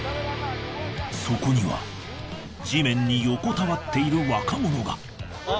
そこには地面に横たわっている若者が。